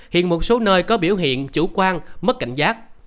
hiện một số nơi có biểu hiện chủ quan mất cảnh giác